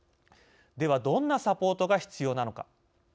では、どんなサポートが必要なのか。